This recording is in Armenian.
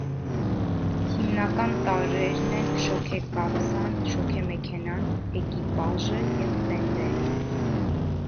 Հիմնական տարրերն են շոգեկաթսան, շոգեմեքենան, էկիպաժը և տենդերը։